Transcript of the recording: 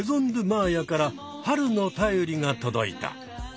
まーやから春の便りが届いた。